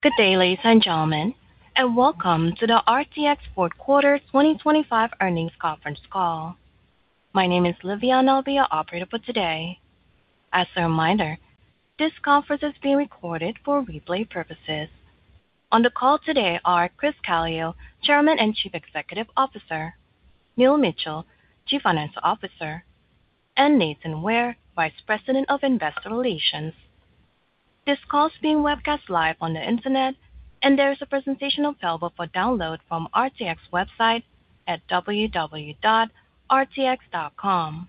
Good day, ladies and gentlemen, and welcome to the RTX Fourth Quarter 2025 Earnings Conference Call. My name is Livia and I'll be your operator for today. As a reminder, this conference is being recorded for replay purposes. On the call today are Chris Calio, Chairman and Chief Executive Officer; Neil Mitchill, Chief Financial Officer; and Nathan Ware, Vice President of Investor Relations. This call is being webcast live on the Internet, and there is a presentation available for download from RTX's website at www.rtx.com.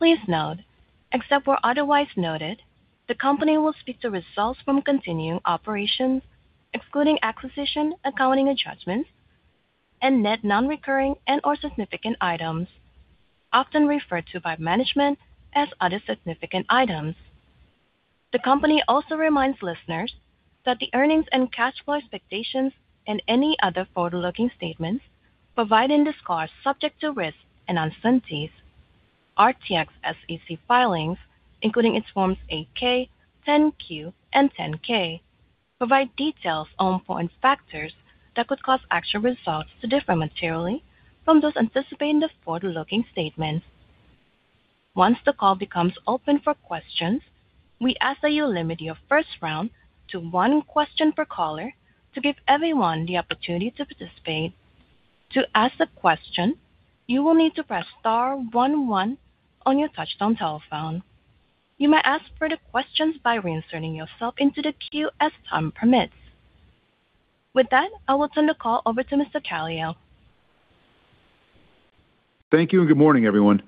Please note, except where otherwise noted, the company will speak to results from continuing operations, excluding acquisition, accounting, and judgments, and net non-recurring and/or significant items, often referred to by management as other significant items. The company also reminds listeners that the earnings and cash flow expectations and any other forward-looking statements provided in this call are subject to risk and uncertainties. RTX's SEC filings, including its Forms 8-K, 10-Q, and 10-K, provide details on important factors that could cause actual results to differ materially from those anticipated in the forward-looking statements. Once the call becomes open for questions, we ask that you limit your first round to one question per caller to give everyone the opportunity to participate. To ask a question, you will need to press star then one on your touch-tone telephone. You may ask further questions by reinserting yourself into the queue as time permits. With that, I will turn the call over to Mr. Calio. Thank you and good morning, everyone.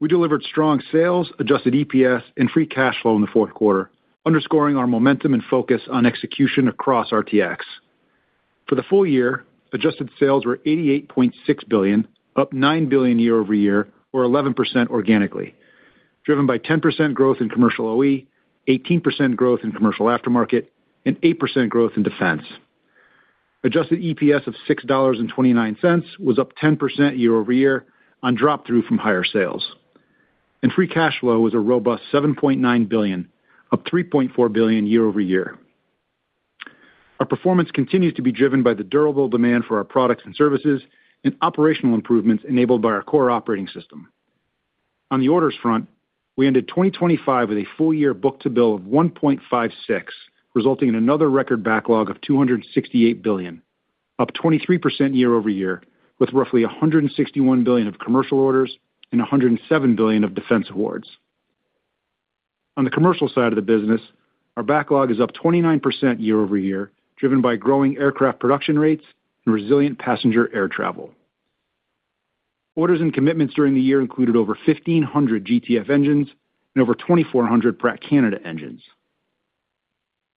We delivered strong sales, adjusted EPS, and free cash flow in the fourth quarter, underscoring our momentum and focus on execution across RTX. For the full year, adjusted sales were $88.6 billion, up $9 billion year-over-year, or 11% organically, driven by 10% growth in commercial OE, 18% growth in commercial aftermarket, and 8% growth in defense. Adjusted EPS of $6.29 was up 10% year-over-year on drop-through from higher sales, and free cash flow was a robust $7.9 billion, up $3.4 billion year-over-year. Our performance continues to be driven by the durable demand for our products and services and operational improvements enabled by our core operating system. On the orders front, we ended 2025 with a full-year book-to-bill of 1.56, resulting in another record backlog of $268 billion, up 23% year-over-year, with roughly $161 billion of commercial orders and $107 billion of defense awards. On the commercial side of the business, our backlog is up 29% year-over-year, driven by growing aircraft production rates and resilient passenger air travel. Orders and commitments during the year included over 1,500 GTF engines and over 2,400 Pratt & Whitney Canada engines.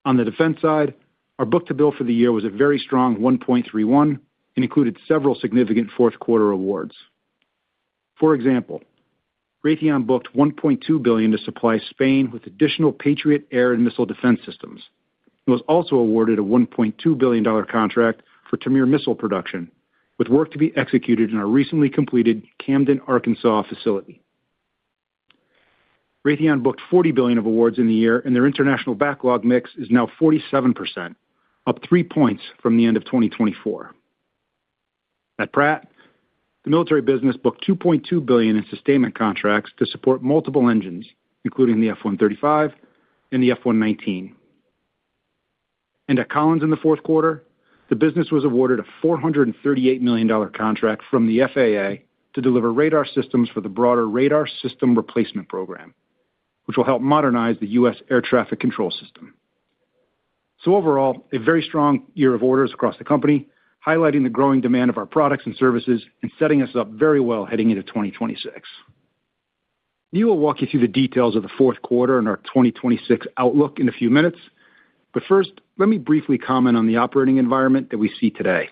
On the defense side, our book-to-bill for the year was a very strong 1.31 and included several significant fourth-quarter awards. For example, Raytheon booked $1.2 billion to supply Spain with additional Patriot air and missile defense systems and was also awarded a $1.2 billion contract for Tamir missile production, with work to be executed in our recently completed Camden, Arkansas, facility. Raytheon booked $40 billion of awards in the year, and their international backlog mix is now 47%, up three points from the end of 2024. At Pratt & Whitney, the military business booked $2.2 billion in sustainment contracts to support multiple engines, including the F135 and the F119. At Collins in the fourth quarter, the business was awarded a $438 million contract from the FAA to deliver radar systems for the broader radar system replacement program, which will help modernize the U.S. air traffic control system. Overall, a very strong year of orders across the company, highlighting the growing demand of our products and services and setting us up very well heading into 2026. Neil will walk you through the details of the fourth quarter and our 2026 outlook in a few minutes, but first, let me briefly comment on the operating environment that we see today.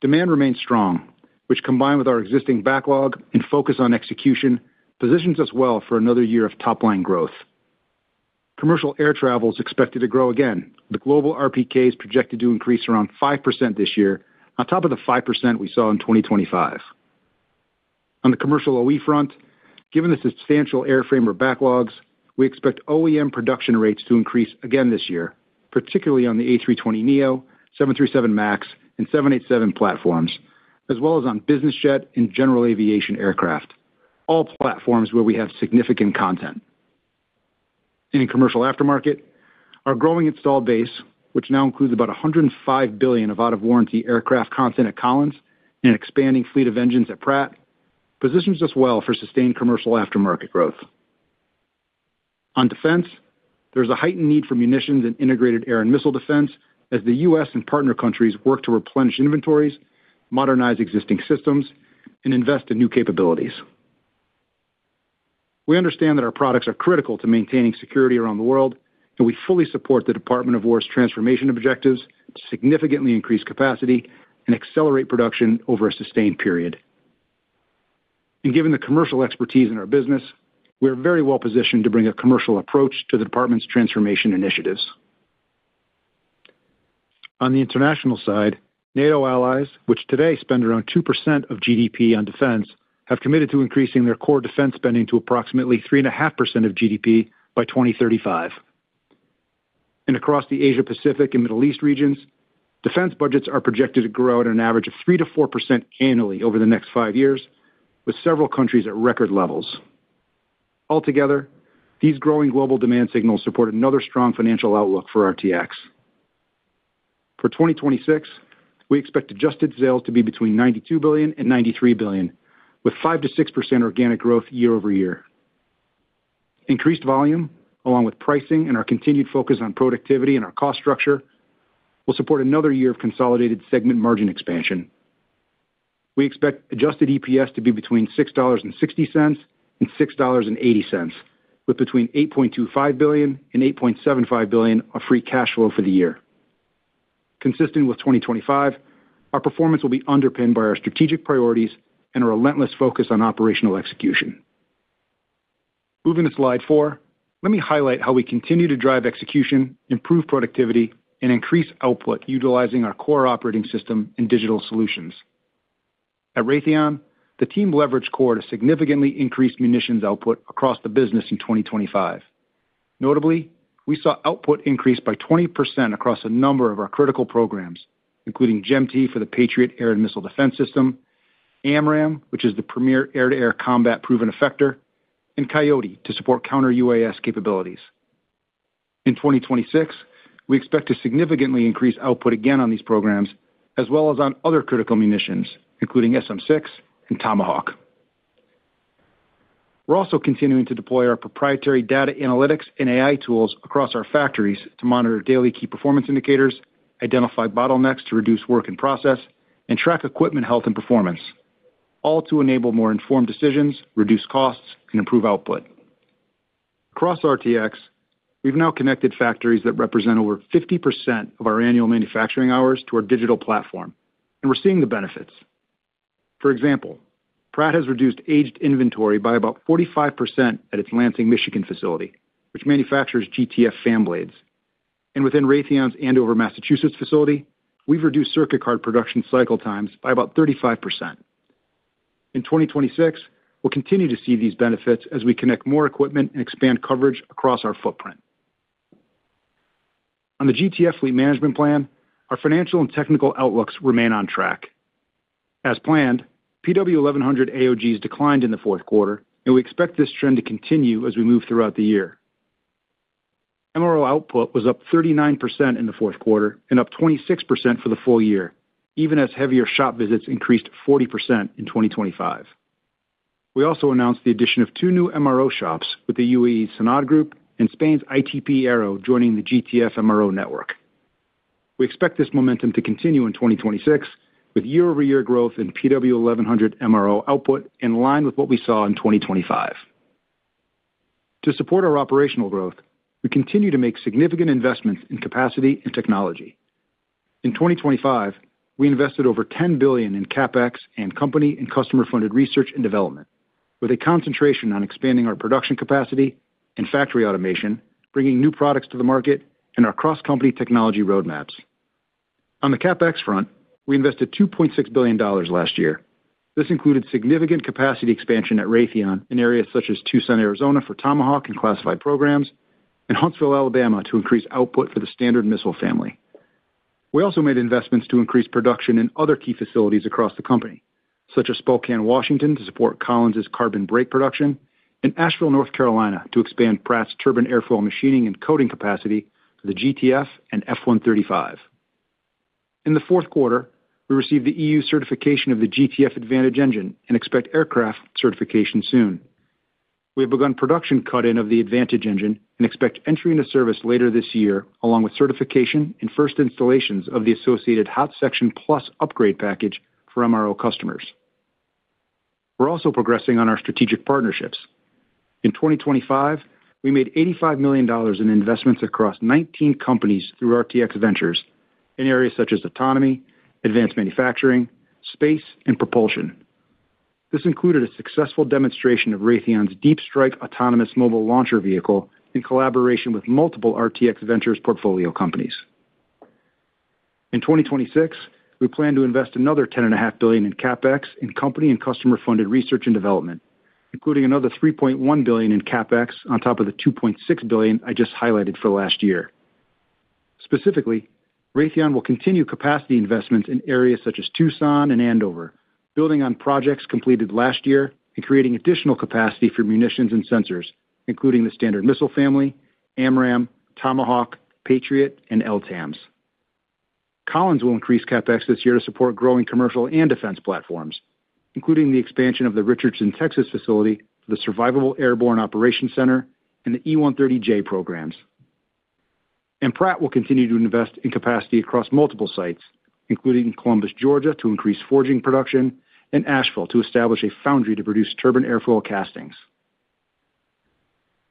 Demand remains strong, which, combined with our existing backlog and focus on execution, positions us well for another year of top-line growth. Commercial air travel is expected to grow again, with global RPKs projected to increase around 5% this year, on top of the 5% we saw in 2025. On the commercial OE front, given the substantial airframe OEM backlogs, we expect OEM production rates to increase again this year, particularly on the A320neo, 737 MAX, and 787 platforms, as well as on business jet and general aviation aircraft, all platforms where we have significant content. In commercial aftermarket, our growing installed base, which now includes about $105 billion of out-of-warranty aircraft content at Collins and an expanding fleet of engines at Pratt, positions us well for sustained commercial aftermarket growth. On defense, there is a heightened need for munitions and integrated air and missile defense as the U.S. and partner countries work to replenish inventories, modernize existing systems, and invest in new capabilities. We understand that our products are critical to maintaining security around the world, and we fully support the Department of Defense's transformation objectives to significantly increase capacity and accelerate production over a sustained period. Given the commercial expertise in our business, we are very well positioned to bring a commercial approach to the department's transformation initiatives. On the international side, NATO allies, which today spend around 2% of GDP on defense, have committed to increasing their core defense spending to approximately 3.5% of GDP by 2035. Across the Asia-Pacific and Middle East regions, defense budgets are projected to grow at an average of 3%-4% annually over the next 5 years, with several countries at record levels. Altogether, these growing global demand signals support another strong financial outlook for RTX. For 2026, we expect Adjusted Sales to be between $92 billion and $93 billion, with 5%-6% organic growth year-over-year. Increased volume, along with pricing and our continued focus on productivity and our cost structure, will support another year of consolidated segment margin expansion. We expect adjusted EPS to be between $6.60 and $6.80, with between $8.25 billion-$8.75 billion of free cash flow for the year. Consistent with 2025, our performance will be underpinned by our strategic priorities and a relentless focus on operational execution. Moving to slide 4, let me highlight how we continue to drive execution, improve productivity, and increase output utilizing our core operating system and digital solutions. At Raytheon, the team leveraged core to significantly increase munitions output across the business in 2025. Notably, we saw output increase by 20% across a number of our critical programs, including GEM-T for the Patriot air and missile defense system, AMRAAM, which is the premier air-to-air combat proven effector, and Coyote to support counter-UAS capabilities. In 2026, we expect to significantly increase output again on these programs, as well as on other critical munitions, including SM-6 and Tomahawk. We're also continuing to deploy our proprietary data analytics and AI tools across our factories to monitor daily key performance indicators, identify bottlenecks to reduce work and process, and track equipment health and performance, all to enable more informed decisions, reduce costs, and improve output. Across RTX, we've now connected factories that represent over 50% of our annual manufacturing hours to our digital platform, and we're seeing the benefits. For example, Pratt has reduced aged inventory by about 45% at its Lansing, Michigan, facility, which manufactures GTF fan blades. And within Raytheon's Andover, Massachusetts, facility, we've reduced circuit card production cycle times by about 35%. In 2026, we'll continue to see these benefits as we connect more equipment and expand coverage across our footprint. On the GTF fleet management plan, our financial and technical outlooks remain on track. As planned, PW1100 AOGs declined in the fourth quarter, and we expect this trend to continue as we move throughout the year. MRO output was up 39% in the fourth quarter and up 26% for the full year, even as heavier shop visits increased 40% in 2025. We also announced the addition of two new MRO shops with the UAE's Sanad Group and Spain's ITP Aero joining the GTF MRO network. We expect this momentum to continue in 2026, with year-over-year growth in PW1100 MRO output in line with what we saw in 2025. To support our operational growth, we continue to make significant investments in capacity and technology. In 2025, we invested over $10 billion in CapEx and company and customer-funded research and development, with a concentration on expanding our production capacity and factory automation, bringing new products to the market, and our cross-company technology roadmaps. On the CapEx front, we invested $2.6 billion last year. This included significant capacity expansion at Raytheon in areas such as Tucson, Arizona, for Tomahawk and classified programs, and Huntsville, Alabama, to increase output for the Standard Missile family. We also made investments to increase production in other key facilities across the company, such as Spokane, Washington, to support Collins' carbon brake production, and Asheville, North Carolina, to expand Pratt's turbine airfoil machining and coating capacity for the GTF and F135. In the fourth quarter, we received the EU certification of the GTF Advantage engine and expect aircraft certification soon. We have begun production cut-in of the Advantage engine and expect entry into service later this year, along with certification and first installations of the associated Hot Section Plus upgrade package for MRO customers. We're also progressing on our strategic partnerships. In 2025, we made $85 million in investments across 19 companies through RTX Ventures in areas such as autonomy, advanced manufacturing, space, and propulsion. This included a successful demonstration of Raytheon's DeepStrike autonomous mobile launcher vehicle in collaboration with multiple RTX Ventures portfolio companies. In 2026, we plan to invest another $10.5 billion in CapEx in company and customer-funded research and development, including another $3.1 billion in CapEx on top of the $2.6 billion I just highlighted for last year. Specifically, Raytheon will continue capacity investments in areas such as Tucson and Andover, building on projects completed last year and creating additional capacity for munitions and sensors, including the Standard Missile family, AMRAAM, Tomahawk, Patriot, and LTAMDS. Collins will increase CapEx this year to support growing commercial and defense platforms, including the expansion of the Richardson, Texas facility for the Survivable Airborne Operations Center and the EC-130J programs. Pratt will continue to invest in capacity across multiple sites, including Columbus, Georgia, to increase forging production, and Asheville to establish a foundry to produce turbine airfoil castings.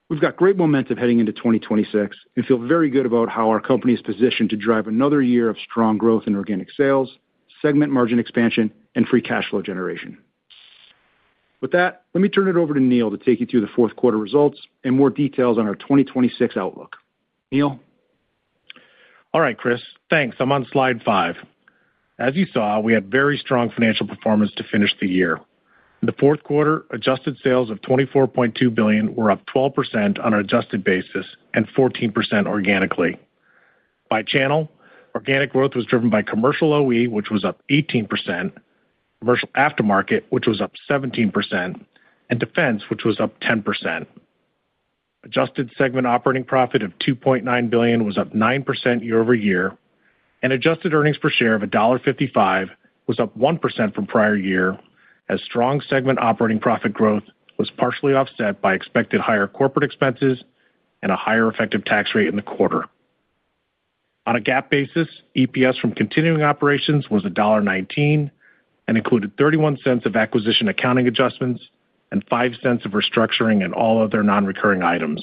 We've got great momentum heading into 2026 and feel very good about how our company is positioned to drive another year of strong growth in organic sales, segment margin expansion, and free cash flow generation. With that, let me turn it over to Neil to take you through the fourth quarter results and more details on our 2026 outlook. Neil? All right, Chris. Thanks. I'm on slide 5. As you saw, we had very strong financial performance to finish the year. In the fourth quarter, adjusted sales of $24.2 billion were up 12% on an adjusted basis and 14% organically. By channel, organic growth was driven by commercial OE, which was up 18%, commercial aftermarket, which was up 17%, and defense, which was up 10%. Adjusted segment operating profit of $2.9 billion was up 9% year-over-year, and adjusted earnings per share of $1.55 was up 1% from prior year as strong segment operating profit growth was partially offset by expected higher corporate expenses and a higher effective tax rate in the quarter. On a GAAP basis, EPS from continuing operations was $1.19 and included $0.31 of acquisition accounting adjustments and $0.05 of restructuring and all other non-recurring items.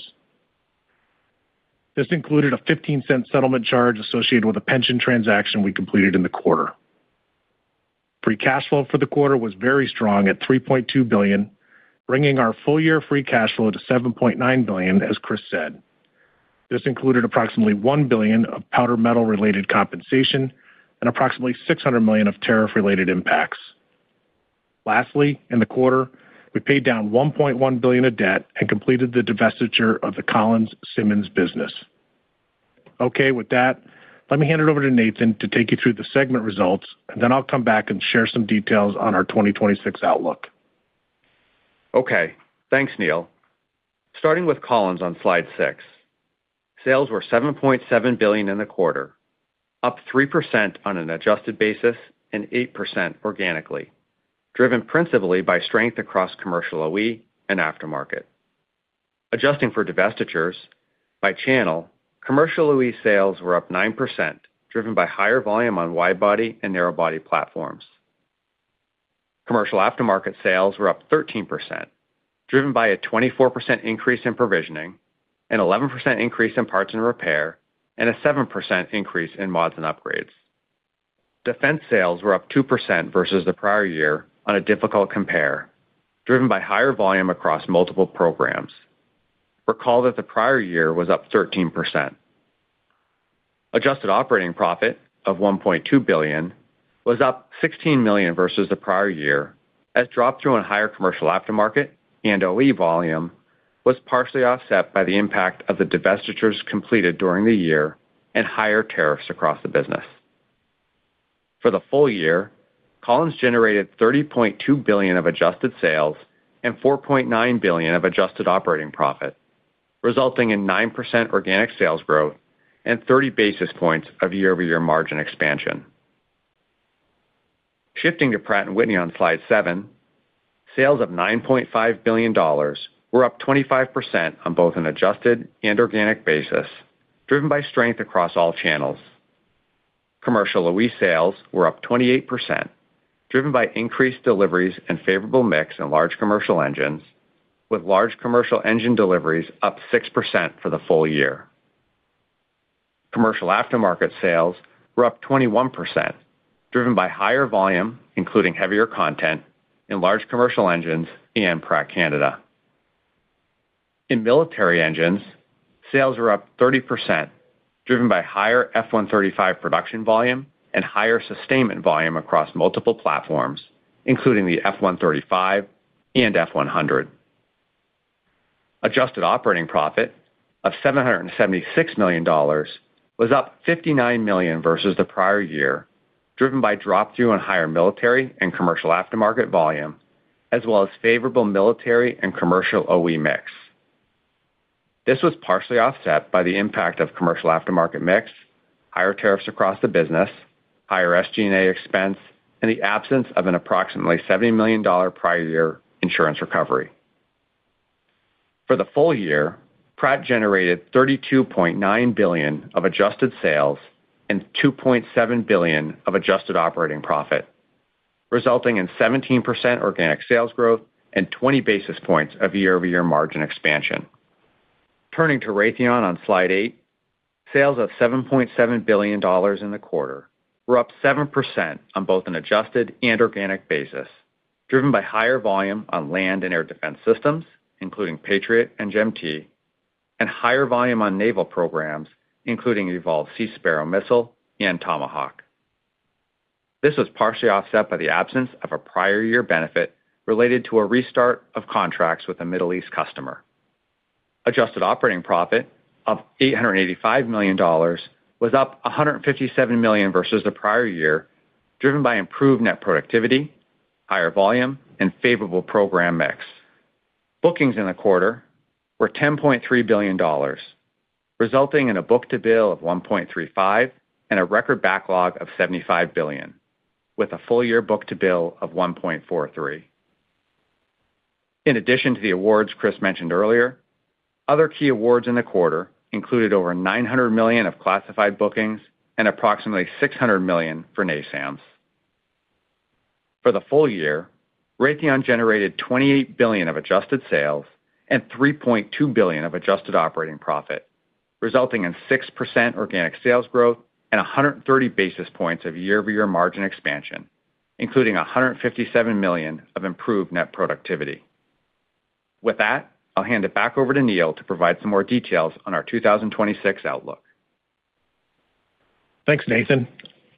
This included a $0.15 settlement charge associated with a pension transaction we completed in the quarter. Free cash flow for the quarter was very strong at $3.2 billion, bringing our full-year free cash flow to $7.9 billion, as Chris said. This included approximately $1 billion of powder-metal-related compensation and approximately $600 million of tariff-related impacts. Lastly, in the quarter, we paid down $1.1 billion of debt and completed the divestiture of the Simmonds Precision Products business. Okay, with that, let me hand it over to Nathan to take you through the segment results, and then I'll come back and share some details on our 2026 outlook. Okay. Thanks, Neil. Starting with Collins on slide six, sales were $7.7 billion in the quarter, up 3% on an adjusted basis and 8% organically, driven principally by strength across commercial OE and aftermarket. Adjusting for divestitures, by channel, commercial OE sales were up 9%, driven by higher volume on wide-body and narrow-body platforms. Commercial aftermarket sales were up 13%, driven by a 24% increase in provisioning, an 11% increase in parts and repair, and a 7% increase in mods and upgrades. Defense sales were up 2% versus the prior year on a difficult compare, driven by higher volume across multiple programs. Recall that the prior year was up 13%. Adjusted operating profit of $1.2 billion was up $16 million versus the prior year as drop-through in higher commercial aftermarket and OE volume was partially offset by the impact of the divestitures completed during the year and higher tariffs across the business. For the full year, Collins generated $30.2 billion of adjusted sales and $4.9 billion of adjusted operating profit, resulting in 9% organic sales growth and 30 basis points of year-over-year margin expansion. Shifting to Pratt & Whitney on slide seven, sales of $9.5 billion were up 25% on both an adjusted and organic basis, driven by strength across all channels. Commercial OE sales were up 28%, driven by increased deliveries and favorable mix in large commercial engines, with large commercial engine deliveries up 6% for the full year. Commercial aftermarket sales were up 21%, driven by higher volume, including heavier content, in large commercial engines and Pratt & Whitney Canada. In military engines, sales were up 30%, driven by higher F135 production volume and higher sustainment volume across multiple platforms, including the F135 and F100. Adjusted operating profit of $776 million was up $59 million versus the prior year, driven by drop-through in higher military and commercial aftermarket volume, as well as favorable military and commercial OE mix. This was partially offset by the impact of commercial aftermarket mix, higher tariffs across the business, higher SG&A expense, and the absence of an approximately $70 million prior-year insurance recovery. For the full year, Pratt generated $32.9 billion of adjusted sales and $2.7 billion of adjusted operating profit, resulting in 17% organic sales growth and 20 basis points of year-over-year margin expansion. Turning to Raytheon on slide eight, sales of $7.7 billion in the quarter were up 7% on both an adjusted and organic basis, driven by higher volume on land and air defense systems, including Patriot and GEM-T, and higher volume on naval programs, including Evolved SeaSparrow Missile and Tomahawk. This was partially offset by the absence of a prior-year benefit related to a restart of contracts with a Middle East customer. Adjusted operating profit of $885 million was up $157 million versus the prior year, driven by improved net productivity, higher volume, and favorable program mix. Bookings in the quarter were $10.3 billion, resulting in a book-to-bill of 1.35 and a record backlog of $75 billion, with a full-year book-to-bill of 1.43. In addition to the awards Chris mentioned earlier, other key awards in the quarter included over $900 million of classified bookings and approximately $600 million for NASAMS. For the full year, Raytheon generated $28 billion of adjusted sales and $3.2 billion of adjusted operating profit, resulting in 6% organic sales growth and 130 basis points of year-over-year margin expansion, including $157 million of improved net productivity. With that, I'll hand it back over to Neil to provide some more details on our 2026 outlook. Thanks, Nathan.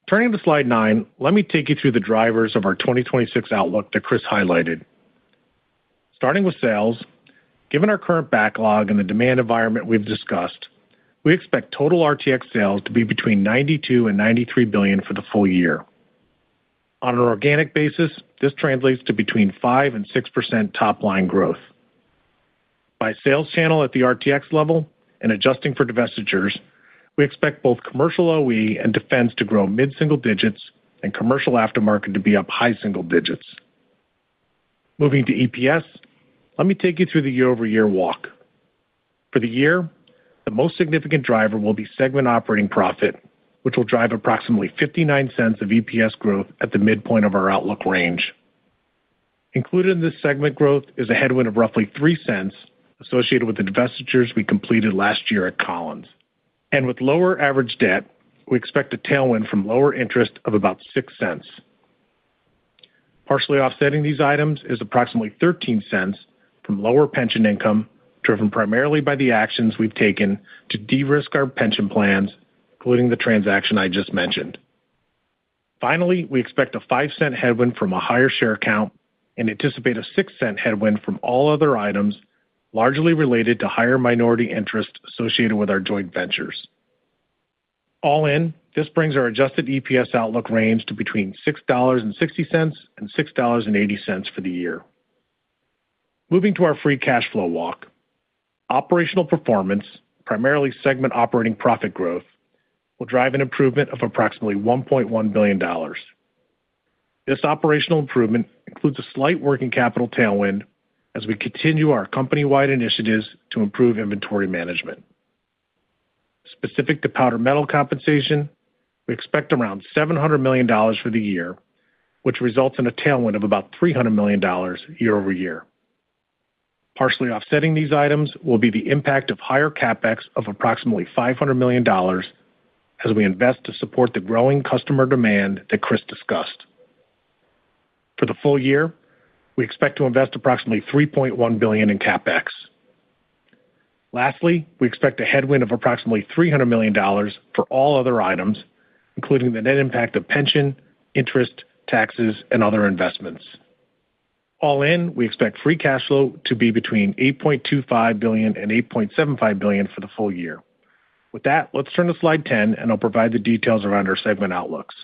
Turning to slide 9, let me take you through the drivers of our 2026 outlook that Chris highlighted. Starting with sales, given our current backlog and the demand environment we've discussed, we expect total RTX sales to be between $92 and $93 billion for the full year. On an organic basis, this translates to between 5% and 6% top-line growth. By sales channel at the RTX level and adjusting for divestitures, we expect both commercial OE and defense to grow mid-single digits and commercial aftermarket to be up high single digits. Moving to EPS, let me take you through the year-over-year walk. For the year, the most significant driver will be segment operating profit, which will drive approximately $0.59 of EPS growth at the midpoint of our outlook range. Included in this segment growth is a headwind of roughly $0.03 associated with investments we completed last year at Collins. With lower average debt, we expect a tailwind from lower interest of about $0.06. Partially offsetting these items is approximately $0.13 from lower pension income, driven primarily by the actions we've taken to de-risk our pension plans, including the transaction I just mentioned. Finally, we expect a $0.05 headwind from a higher share count and anticipate a $0.06 headwind from all other items, largely related to higher minority interest associated with our joint ventures. All in, this brings our adjusted EPS outlook range to between $6.60 and $6.80 for the year. Moving to our free cash flow walk, operational performance, primarily segment operating profit growth, will drive an improvement of approximately $1.1 billion. This operational improvement includes a slight working capital tailwind as we continue our company-wide initiatives to improve inventory management. Specific to powder-metal compensation, we expect around $700 million for the year, which results in a tailwind of about $300 million year-over-year. Partially offsetting these items will be the impact of higher CapEx of approximately $500 million as we invest to support the growing customer demand that Chris discussed. For the full year, we expect to invest approximately $3.1 billion in CapEx. Lastly, we expect a headwind of approximately $300 million for all other items, including the net impact of pension, interest, taxes, and other investments. All in, we expect free cash flow to be between $8.25 billion and $8.75 billion for the full year. With that, let's turn to slide 10, and I'll provide the details around our segment outlooks.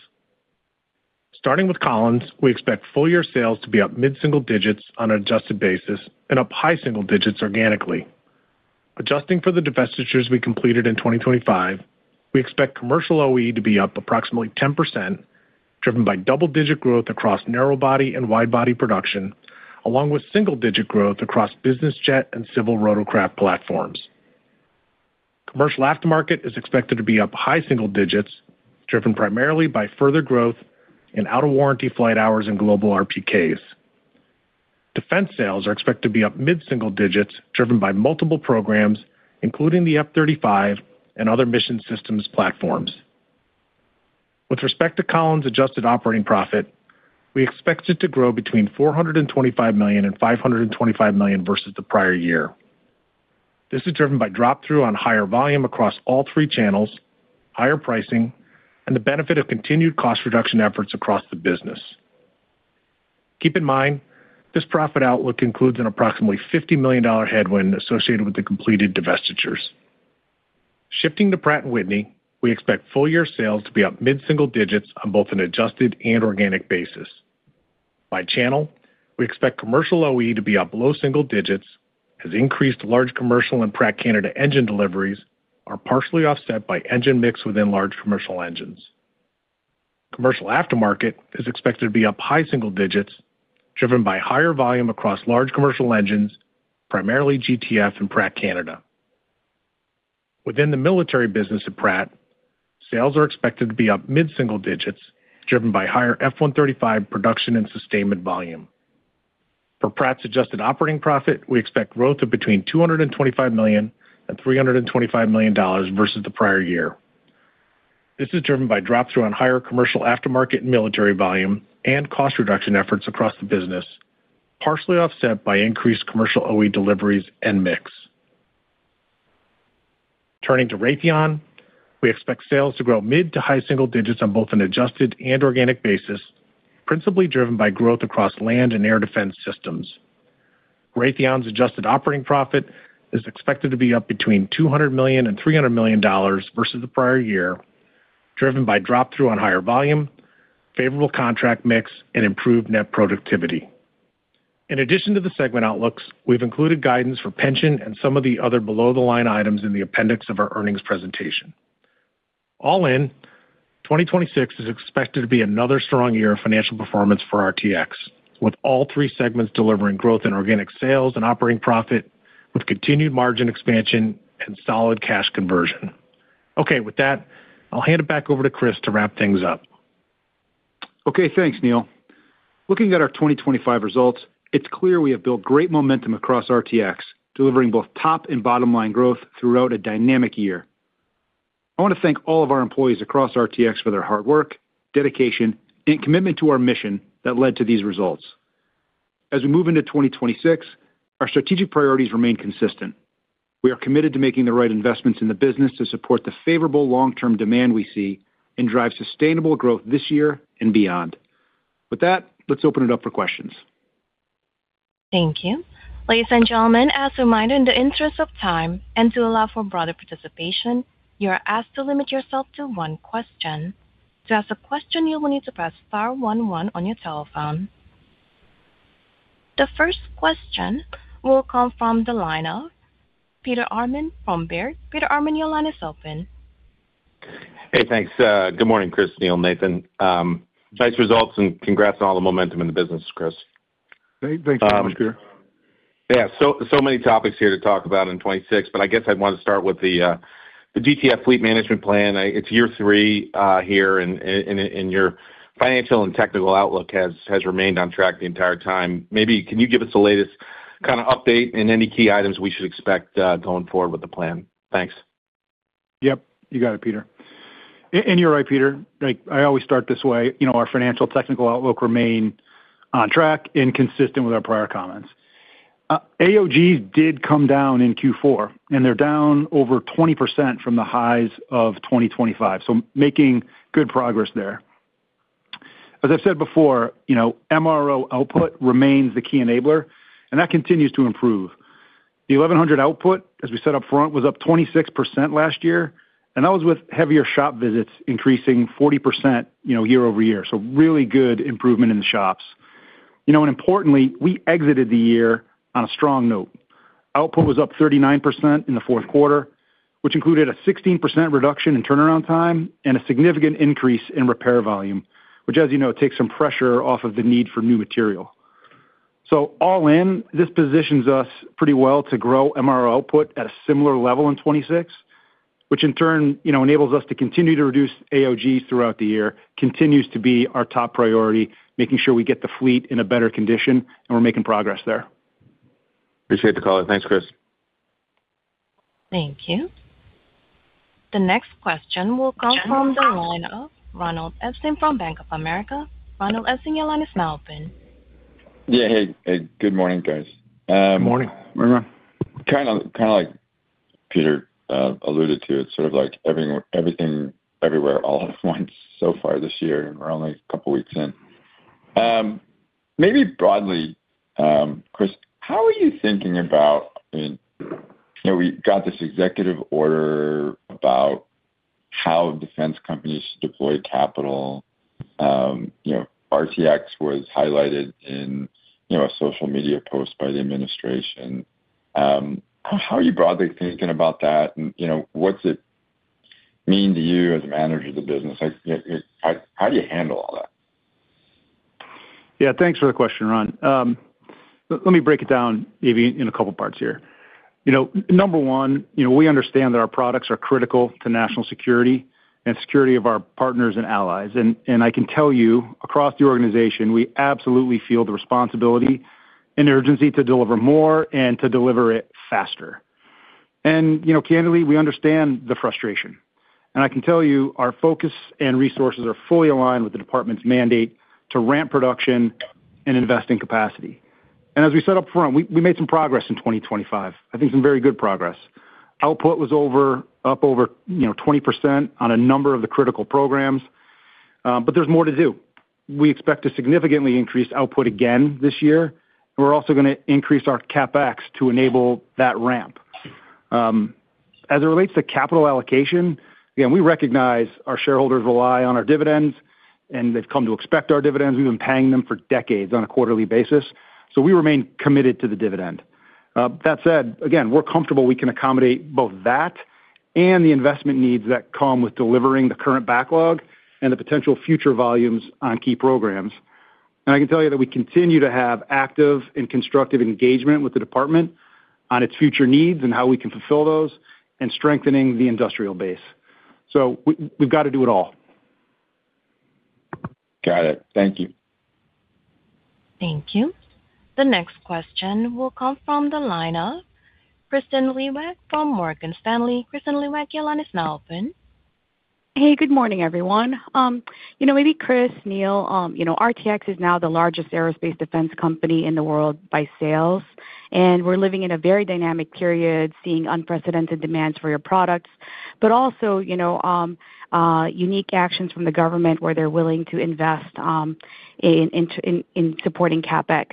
Starting with Collins, we expect full-year sales to be up mid-single digits on an adjusted basis and up high single digits organically. Adjusting for the divestitures we completed in 2025, we expect commercial OE to be up approximately 10%, driven by double-digit growth across narrow-body and wide-body production, along with single-digit growth across business jet and civil rotorcraft platforms. Commercial aftermarket is expected to be up high single digits, driven primarily by further growth in out-of-warranty flight hours and global RPKs. Defense sales are expected to be up mid-single digits, driven by multiple programs, including the F-35 and other mission systems platforms. With respect to Collins' adjusted operating profit, we expect it to grow between $425 million and $525 million versus the prior year. This is driven by drop-through on higher volume across all three channels, higher pricing, and the benefit of continued cost reduction efforts across the business. Keep in mind, this profit outlook includes an approximately $50 million headwind associated with the completed divestitures. Shifting to Pratt & Whitney, we expect full-year sales to be up mid-single digits on both an adjusted and organic basis. By channel, we expect commercial OE to be up low single digits as increased large commercial and Pratt Canada engine deliveries are partially offset by engine mix within large commercial engines. Commercial aftermarket is expected to be up high single digits, driven by higher volume across large commercial engines, primarily GTF and Pratt Canada. Within the military business at Pratt, sales are expected to be up mid-single digits, driven by higher F135 production and sustainment volume. For Pratt's adjusted operating profit, we expect growth of between $225 million and $325 million versus the prior year. This is driven by drop-through on higher commercial aftermarket and military volume and cost reduction efforts across the business, partially offset by increased commercial OE deliveries and mix. Turning to Raytheon, we expect sales to grow mid- to high-single digits on both an adjusted and organic basis, principally driven by growth across land and air defense systems. Raytheon's adjusted operating profit is expected to be up between $200 million and $300 million versus the prior year, driven by drop-through on higher volume, favorable contract mix, and improved net productivity. In addition to the segment outlooks, we've included guidance for pension and some of the other below-the-line items in the appendix of our earnings presentation. All in, 2026 is expected to be another strong year of financial performance for RTX, with all three segments delivering growth in organic sales and operating profit, with continued margin expansion and solid cash conversion. Okay, with that, I'll hand it back over to Chris to wrap things up. Okay, thanks, Neil. Looking at our 2025 results, it's clear we have built great momentum across RTX, delivering both top and bottom-line growth throughout a dynamic year. I want to thank all of our employees across RTX for their hard work, dedication, and commitment to our mission that led to these results. As we move into 2026, our strategic priorities remain consistent. We are committed to making the right investments in the business to support the favorable long-term demand we see and drive sustainable growth this year and beyond. With that, let's open it up for questions. Thank you. Ladies and gentlemen, as a reminder, in the interest of time and to allow for broader participation, you are asked to limit yourself to one question. To ask a question, you will need to press star 11 on your telephone. The first question will come from the line of Peter Arment from Baird. Peter Arment, your line is open. Hey, thanks. Good morning, Chris, Neil, Nathan. Nice results, and congrats on all the momentum in the business, Chris. Can you repeat you question. Yeah, so many topics here to talk about in 2026, but I guess I'd want to start with the GTF Fleet Management Plan. It's year three here, and your financial and technical outlook has remained on track the entire time. Maybe can you give us the latest kind of update and any key items we should expect going forward with the plan? Thanks. Yep, you got it, Peter. And you're right, Peter. I always start this way. Our financial technical outlook remains on track and consistent with our prior comments. AOG did come down in Q4, and they're down over 20% from the highs of 2025, so making good progress there. As I've said before, MRO output remains the key enabler, and that continues to improve. The 1100 output, as we said up front, was up 26% last year, and that was with heavier shop visits increasing 40% year-over-year, so really good improvement in the shops. Importantly, we exited the year on a strong note. Output was up 39% in the fourth quarter, which included a 16% reduction in turnaround time and a significant increase in repair volume, which, as you know, takes some pressure off of the need for new material. So all in, this positions us pretty well to grow MRO output at a similar level in 2026, which in turn enables us to continue to reduce AOG throughout the year, continues to be our top priority, making sure we get the fleet in a better condition, and we're making progress there. Appreciate the call. Thanks, Chris. Thank you. The next question will come from the line of Ronald Epstein from Bank of America. Ronald Epstein, your line is now open. Yeah, hey, good morning, guys. Good morning. Kind of like Peter alluded to, it's sort of like everything everywhere all at once so far this year, and we're only a couple of weeks in. Maybe broadly, Chris, how are you thinking about, we got this executive order about how defense companies should deploy capital. RTX was highlighted in a social media post by the administration. How are you broadly thinking about that? And what's it mean to you as a manager of the business? How do you handle all that? Yeah, thanks for the question, Ron. Let me break it down, maybe in a couple of parts here. Number one, we understand that our products are critical to national security and security of our partners and allies. And I can tell you, across the organization, we absolutely feel the responsibility and urgency to deliver more and to deliver it faster. And candidly, we understand the frustration. And I can tell you, our focus and resources are fully aligned with the department's mandate to ramp production and invest in capacity. And as we set up front, we made some progress in 2025. I think some very good progress. Output was up over 20% on a number of the critical programs, but there's more to do. We expect a significantly increased output again this year, and we're also going to increase our CapEx to enable that ramp. As it relates to capital allocation, again, we recognize our shareholders rely on our dividends, and they've come to expect our dividends. We've been paying them for decades on a quarterly basis, so we remain committed to the dividend. That said, again, we're comfortable we can accommodate both that and the investment needs that come with delivering the current backlog and the potential future volumes on key programs. And I can tell you that we continue to have active and constructive engagement with the department on its future needs and how we can fulfill those and strengthening the industrial base. So we've got to do it all. Got it. Thank you. Thank you. The next question will come from the line of Kristine Liwag from Morgan Stanley. Kristine Liwag, your line is now open. Hey, good morning, everyone. Maybe Chris, Neil, RTX is now the largest aerospace defense company in the world by sales, and we're living in a very dynamic period, seeing unprecedented demands for your products, but also unique actions from the government where they're willing to invest in supporting CapEx.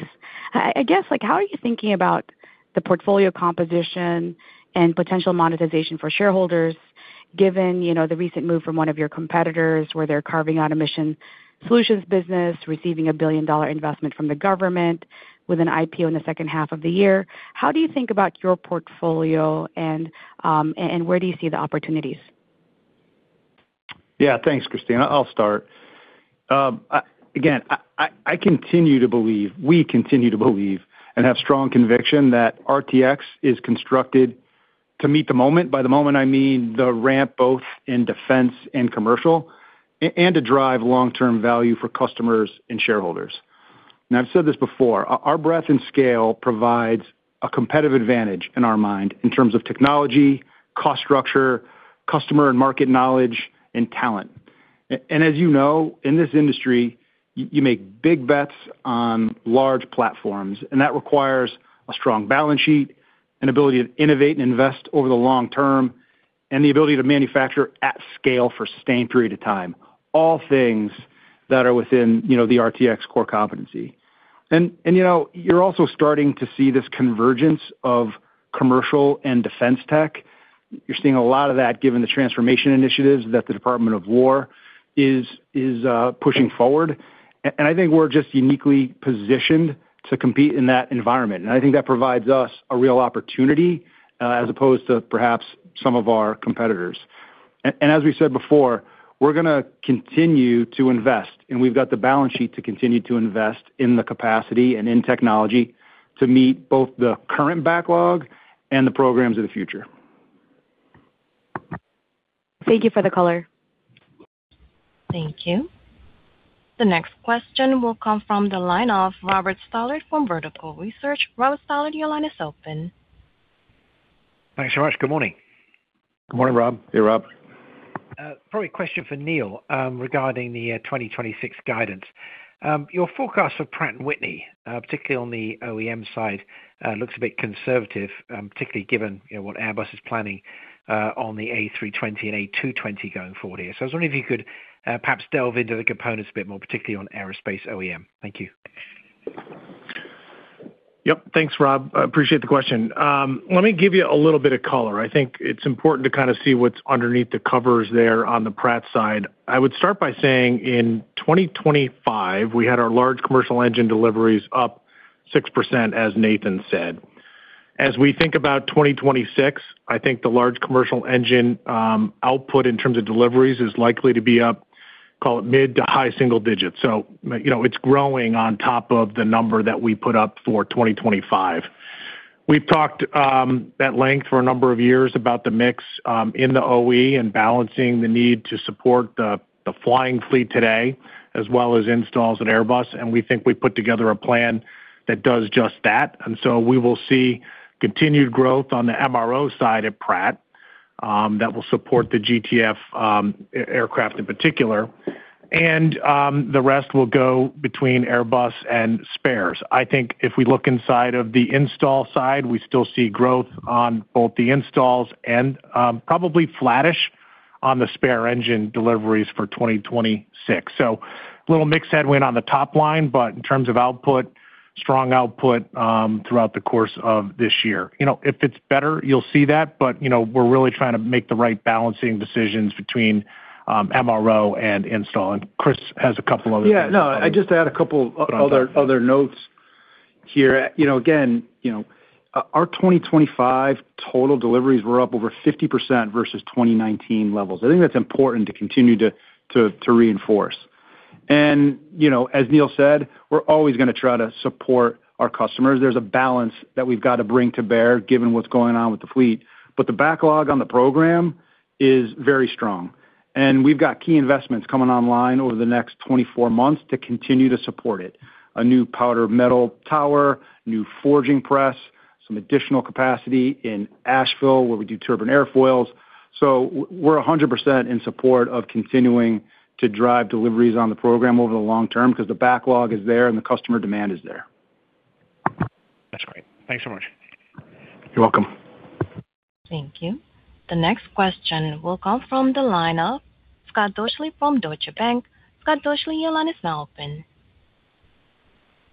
I guess, how are you thinking about the portfolio composition and potential monetization for shareholders given the recent move from one of your competitors where they're carving out a mission solutions business, receiving a $1 billion investment from the government with an IPO in the second half of the year? How do you think about your portfolio, and where do you see the opportunities? Yeah, thanks, Kristine. I'll start. Again, I continue to believe, we continue to believe, and have strong conviction that RTX is constructed to meet the moment. By the moment, I mean the ramp both in defense and commercial and to drive long-term value for customers and shareholders. And I've said this before, our breadth and scale provides a competitive advantage in our mind in terms of technology, cost structure, customer and market knowledge, and talent. And as you know, in this industry, you make big bets on large platforms, and that requires a strong balance sheet and ability to innovate and invest over the long term and the ability to manufacture at scale for a sustained period of time, all things that are within the RTX core competency. And you're also starting to see this convergence of commercial and defense tech. You're seeing a lot of that given the transformation initiatives that the Department of Defense is pushing forward. And I think we're just uniquely positioned to compete in that environment. I think that provides us a real opportunity as opposed to perhaps some of our competitors. As we said before, we're going to continue to invest, and we've got the balance sheet to continue to invest in the capacity and in technology to meet both the current backlog and the programs of the future. Thank you for the color. Thank you. The next question will come from the line of Robert Stallard from Vertical Research Partners. Robert Stallard, your line is open. Thanks so much. Good morning. Good morning, Rob. Hey, Rob. Probably a question for Neil regarding the 2026 guidance. Your forecast for Pratt & Whitney, particularly on the OEM side, looks a bit conservative, particularly given what Airbus is planning on the A320 and A220 going forward here. So I was wondering if you could perhaps delve into the components a bit more, particularly on aerospace OEM. Thank you. Yep. Thanks, Rob. Appreciate the question. Let me give you a little bit of color. I think it's important to kind of see what's underneath the covers there on the Pratt side. I would start by saying in 2025, we had our large commercial engine deliveries up 6%, as Nathan said. As we think about 2026, I think the large commercial engine output in terms of deliveries is likely to be up, call it mid to high single digits. So it's growing on top of the number that we put up for 2025. We've talked at length for a number of years about the mix in the OE and balancing the need to support the flying fleet today as well as installs and Airbus. And we think we put together a plan that does just that. We will see continued growth on the MRO side at Pratt that will support the GTF aircraft in particular. And the rest will go between Airbus and spares. I think if we look inside of the install side, we still see growth on both the installs and probably flattish on the spare engine deliveries for 2026. So a little mix headwind on the top line, but in terms of output, strong output throughout the course of this year. If it's better, you'll see that, but we're really trying to make the right balancing decisions between MRO and install. And Chris has a couple of other things. Yeah, no, I just add a couple of other notes here. Again, our 2025 total deliveries were up over 50% versus 2019 levels. I think that's important to continue to reinforce. As Neil said, we're always going to try to support our customers. There's a balance that we've got to bring to bear given what's going on with the fleet. The backlog on the program is very strong. We've got key investments coming online over the next 24 months to continue to support it. A new powder metal tower, new forging press, some additional capacity in Asheville where we do turbine airfoils. We're 100% in support of continuing to drive deliveries on the program over the long term because the backlog is there and the customer demand is there. That's great. Thanks so much. You're welcome. Thank you. The next question will come from the line of Scott Deuschle from Deutsche Bank. Scott Deuschle, your line is now open.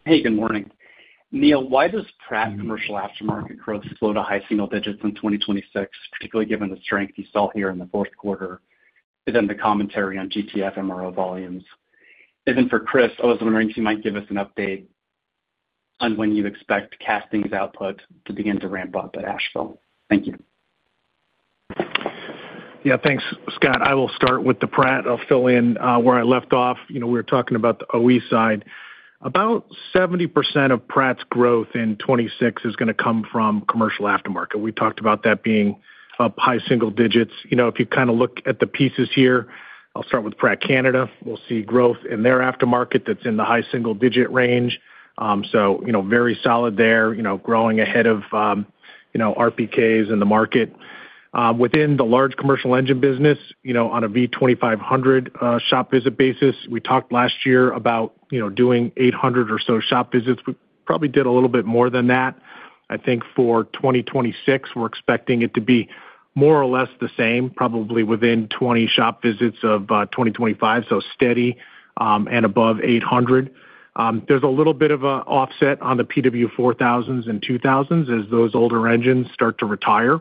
Hey, good morning. Neil, why does Pratt's commercial aftermarket growth slow to high single digits in 2026, particularly given the strength you saw here in the fourth quarter and then the commentary on GTF MRO volumes? And then for Chris, I was wondering if you might give us an update on when you expect casting's output to begin to ramp up at Asheville. Thank you. Yeah, thanks, Scott. I will start with the Pratt. I'll fill in where I left off. We were talking about the OE side. About 70% of Pratt's growth in 2026 is going to come from commercial aftermarket. We talked about that being up high single digits. If you kind of look at the pieces here, I'll start with Pratt Canada. We'll see growth in their aftermarket that's in the high single digit range. So very solid there, growing ahead of RPKs in the market. Within the large commercial engine business, on a V2500 shop visit basis, we talked last year about doing 800 or so shop visits. We probably did a little bit more than that. I think for 2026, we're expecting it to be more or less the same, probably within 20 shop visits of 2025, so steady and above 800. There's a little bit of an offset on the PW4000s and PW2000s as those older engines start to retire.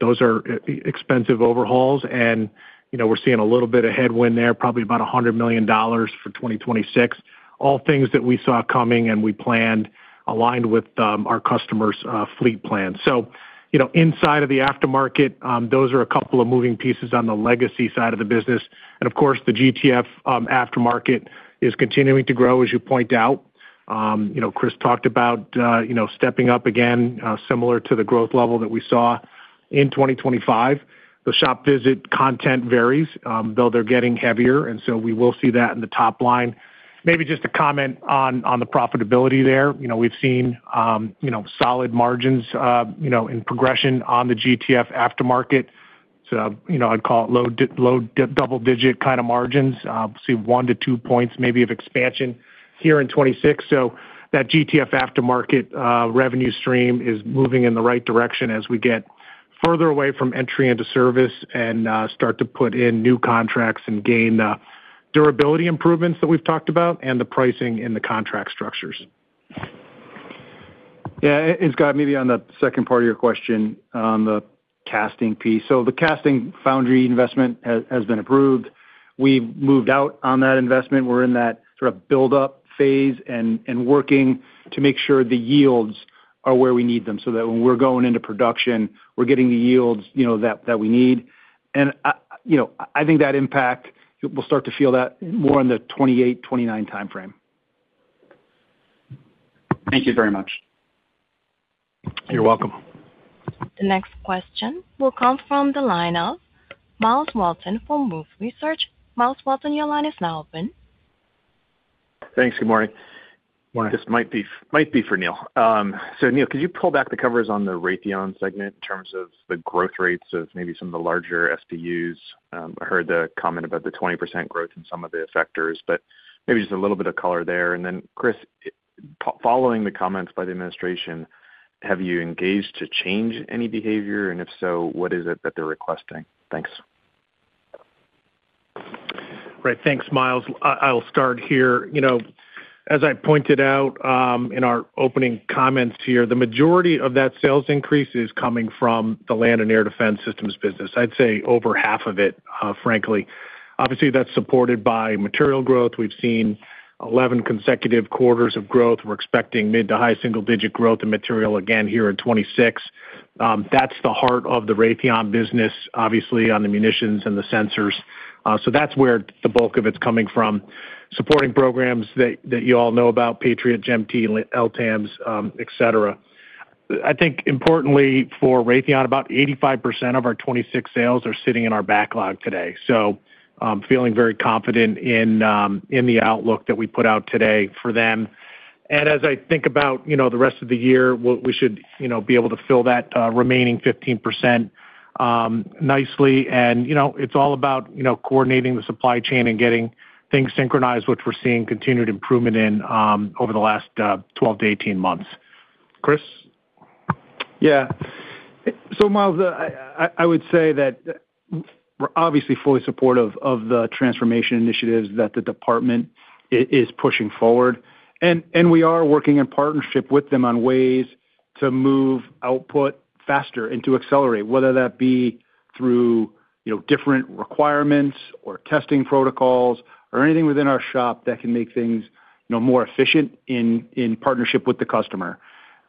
Those are expensive overhauls, and we're seeing a little bit of headwind there, probably about $100 million for 2026, all things that we saw coming and we planned aligned with our customer's fleet plan. So inside of the aftermarket, those are a couple of moving pieces on the legacy side of the business. And of course, the GTF aftermarket is continuing to grow, as you point out. Chris talked about stepping up again, similar to the growth level that we saw in 2025. The shop visit content varies, though they're getting heavier, and so we will see that in the top line. Maybe just a comment on the profitability there. We've seen solid margins in progression on the GTF aftermarket. So I'd call it low double-digit kind of margins. We'll see 1-2 points maybe of expansion here in 2026. So that GTF aftermarket revenue stream is moving in the right direction as we get further away from entry into service and start to put in new contracts and gain the durability improvements that we've talked about and the pricing in the contract structures. Yeah, it's got maybe on the second part of your question on the casting piece. So the casting foundry investment has been approved. We've moved out on that investment. We're in that sort of build-up phase and working to make sure the yields are where we need them so that when we're going into production, we're getting the yields that we need. And I think that impact, we'll start to feel that more in the 2028, 2029 timeframe. Thank you very much. You're welcome. The next question will come from the line of Miles Walton from Wolfe Research. Miles Walton, your line is now open. Thanks. Good morning. This might be for Neil. So Neil, could you pull back the covers on the Raytheon segment in terms of the growth rates of maybe some of the larger SBUs? I heard the comment about the 20% growth in some of the sectors, but maybe just a little bit of color there. And then Chris, following the comments by the administration, have you engaged to change any behavior? If so, what is it that they're requesting? Thanks. Right. Thanks, Miles. I'll start here. As I pointed out in our opening comments here, the majority of that sales increase is coming from the land and air defense systems business. I'd say over half of it, frankly. Obviously, that's supported by material growth. We've seen 11 consecutive quarters of growth. We're expecting mid- to high-single-digit growth in material again here in 2026. That's the heart of the Raytheon business, obviously, on the munitions and the sensors. So that's where the bulk of it's coming from. Supporting programs that you all know about, Patriot, GEM-T, LTAMDS, etc. I think importantly for Raytheon, about 85% of our 2026 sales are sitting in our backlog today. So feeling very confident in the outlook that we put out today for them. As I think about the rest of the year, we should be able to fill that remaining 15% nicely. It's all about coordinating the supply chain and getting things synchronized, which we're seeing continued improvement in over the last 12 months-18 months. Chris? Yeah. Miles, I would say that we're obviously fully supportive of the transformation initiatives that the department is pushing forward. We are working in partnership with them on ways to move output faster and to accelerate, whether that be through different requirements or testing protocols or anything within our shop that can make things more efficient in partnership with the customer.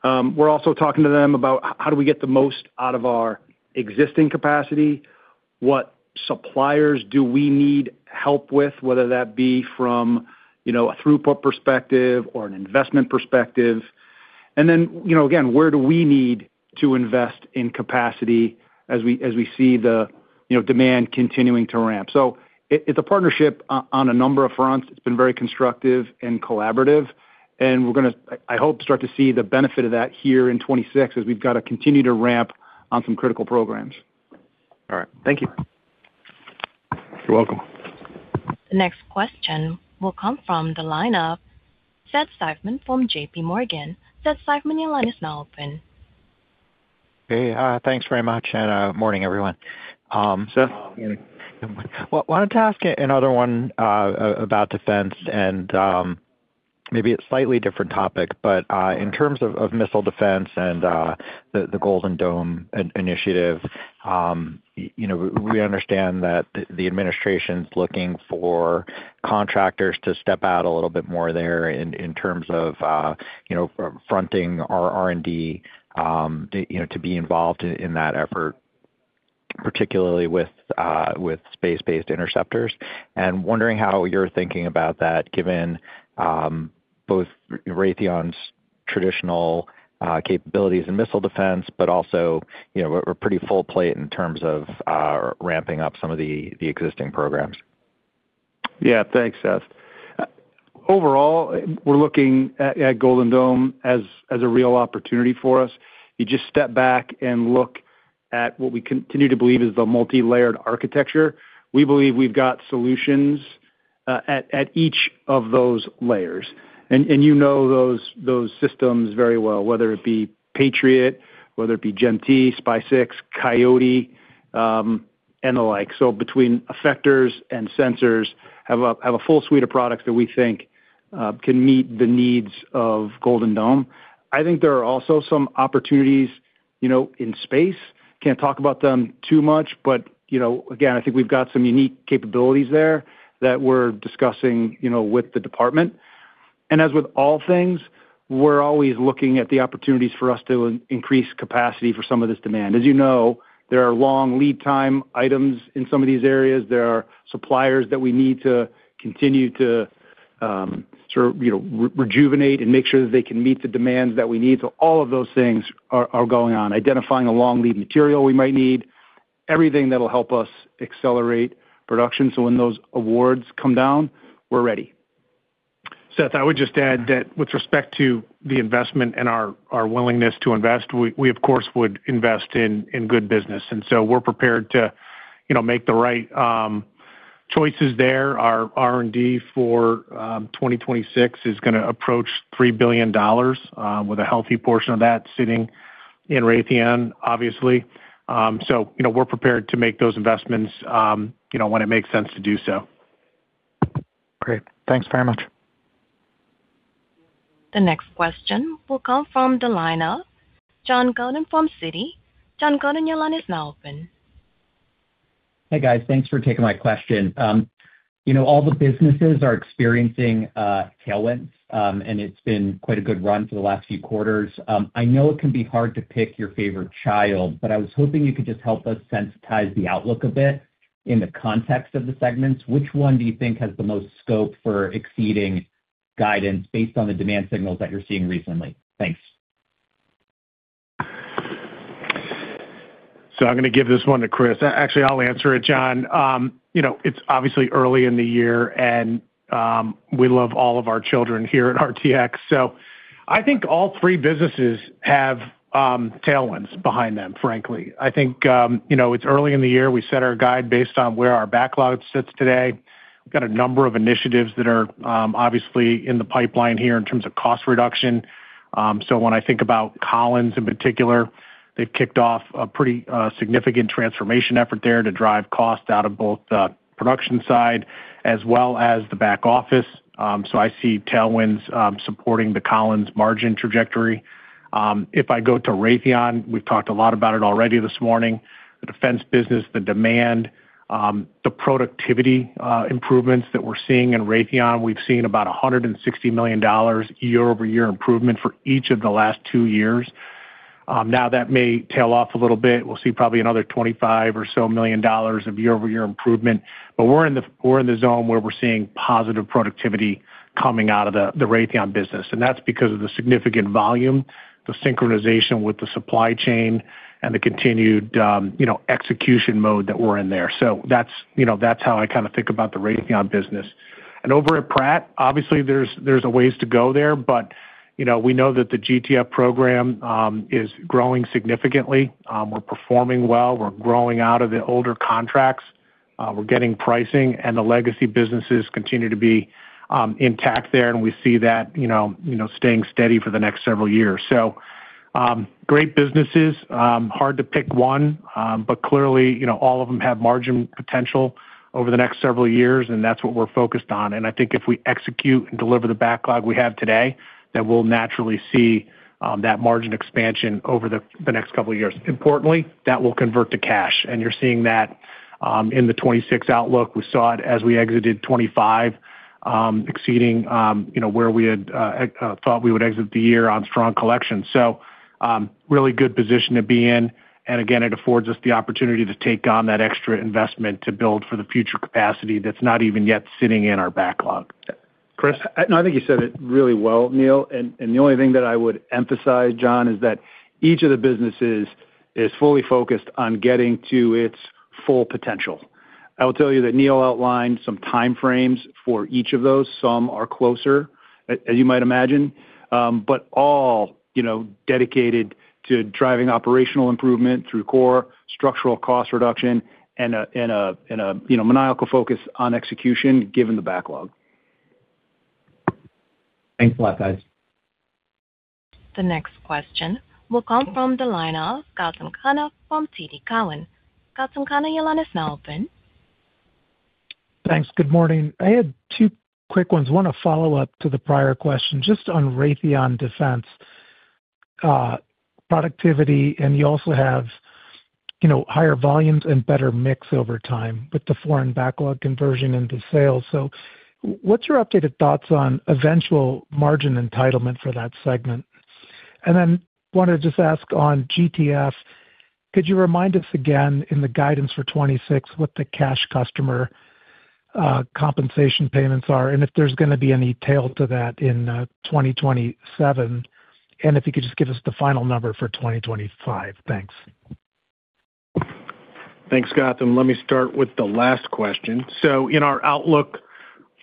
We're also talking to them about how do we get the most out of our existing capacity, what suppliers do we need help with, whether that be from a throughput perspective or an investment perspective. And then again, where do we need to invest in capacity as we see the demand continuing to ramp? So it's a partnership on a number of fronts. It's been very constructive and collaborative. And we're going to, I hope, start to see the benefit of that here in 2026 as we've got to continue to ramp on some critical programs. All right. Thank you. You're welcome. The next question will come from the line of Seth Seifman from JPMorgan. Seth Seifman, your line is now open. Hey, thanks very much. And morning, everyone. Wanted to ask another one about defense and maybe a slightly different topic, but in terms of missile defense and the Golden Dome initiative, we understand that the administration's looking for contractors to step out a little bit more there in terms of fronting our R&D to be involved in that effort, particularly with space-based interceptors. And wondering how you're thinking about that given both Raytheon's traditional capabilities in missile defense, but also we're pretty full plate in terms of ramping up some of the existing programs. Yeah, thanks, Seth. Overall, we're looking at Golden Dome as a real opportunity for us. You just step back and look at what we continue to believe is the multi-layered architecture. We believe we've got solutions at each of those layers. And you know those systems very well, whether it be Patriot, whether it be GEM-T, SPY-6, Coyote, and the like. So between effectors and sensors, have a full suite of products that we think can meet the needs of Golden Dome. I think there are also some opportunities in space. Can't talk about them too much, but again, I think we've got some unique capabilities there that we're discussing with the department. And as with all things, we're always looking at the opportunities for us to increase capacity for some of this demand. As you know, there are long lead time items in some of these areas. There are suppliers that we need to continue to sort of rejuvenate and make sure that they can meet the demands that we need. So all of those things are going on. Identifying a long lead material we might need, everything that will help us accelerate production. So when those awards come down, we're ready. Seth, I would just add that with respect to the investment and our willingness to invest, we, of course, would invest in good business. And so we're prepared to make the right choices there. Our R&D for 2026 is going to approach $3 billion with a healthy portion of that sitting in Raytheon, obviously. So we're prepared to make those investments when it makes sense to do so. Great. Thanks very much. The next question will come from the line of Jason Gursky from Citi. Jason Gursky, your line is now open. Hey, guys, thanks for taking my question. All the businesses are experiencing tailwinds, and it's been quite a good run for the last few quarters. I know it can be hard to pick your favorite child, but I was hoping you could just help us sensitize the outlook a bit in the context of the segments. Which one do you think has the most scope for exceeding guidance based on the demand signals that you're seeing recently? Thanks. So I'm going to give this one to Chris. Actually, I'll answer it, John. It's obviously early in the year, and we love all of our children here at RTX. So I think all three businesses have tailwinds behind them, frankly. I think it's early in the year. We set our guide based on where our backlog sits today. We've got a number of initiatives that are obviously in the pipeline here in terms of cost reduction. So when I think about Collins in particular, they've kicked off a pretty significant transformation effort there to drive cost out of both the production side as well as the back office. So I see tailwinds supporting the Collins margin trajectory. If I go to Raytheon, we've talked a lot about it already this morning. The defense business, the demand, the productivity improvements that we're seeing in Raytheon, we've seen about $160 million year-over-year improvement for each of the last two years. Now, that may tail off a little bit. We'll see probably another $25 or so million of year-over-year improvement. But we're in the zone where we're seeing positive productivity coming out of the Raytheon business. And that's because of the significant volume, the synchronization with the supply chain, and the continued execution mode that we're in there. So that's how I kind of think about the Raytheon business. And over at Pratt, obviously, there's a ways to go there, but we know that the GTF program is growing significantly. We're performing well. We're growing out of the older contracts. We're getting pricing, and the legacy businesses continue to be intact there, and we see that staying steady for the next several years. So great businesses, hard to pick one, but clearly, all of them have margin potential over the next several years, and that's what we're focused on. And I think if we execute and deliver the backlog we have today, then we'll naturally see that margin expansion over the next couple of years. Importantly, that will convert to cash. And you're seeing that in the 2026 outlook. We saw it as we exited 2025, exceeding where we had thought we would exit the year on strong collection. So really good position to be in. And again, it affords us the opportunity to take on that extra investment to build for the future capacity that's not even yet sitting in our backlog. Chris? No, I think you said it really well, Neil. And the only thing that I would emphasize, John, is that each of the businesses is fully focused on getting to its full potential. I will tell you that Neil outlined some time frames for each of those. Some are closer, as you might imagine, but all dedicated to driving operational improvement through core, structural cost reduction, and a maniacal focus on execution given the backlog. Thanks a lot, guys. The next question will come from the line of Gautam Khanna from TD Cowen. Gautam Khanna, your line is now open. Thanks. Good morning. I had two quick ones. One a follow-up to the prior question, just on Raytheon defense productivity, and you also have higher volumes and better mix over time with the foreign backlog conversion into sales. So what's your updated thoughts on eventual margin entitlement for that segment? And then wanted to just ask on GTF, could you remind us again in the guidance for 2026 what the cash customer compensation payments are and if there's going to be any tail to that in 2027? And if you could just give us the final number for 2025. Thanks. Thanks, Gautam. Let me start with the last question. So in our outlook